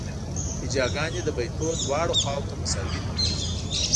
هجاګانې د بیتونو دواړو خواوو ته مساوي لویږي.